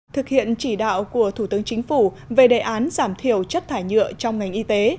thực hiện chỉ đạo của thủ tướng chính phủ về đề án giảm thiểu chất thải nhựa trong ngành y tế